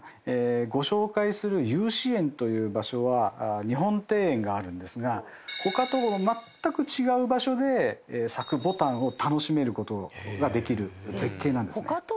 ご紹介する由志園という場所は日本庭園があるんですが他とまったく違う場所で咲く牡丹を楽しめることができる絶景なんですね。